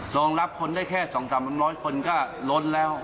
รองรับคนได้แค่๒๓๐๐คนก็ล้นแล้ว